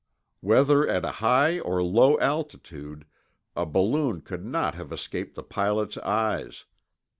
Whether at a high or low altitude, a balloon could not have escaped the pilot's eyes.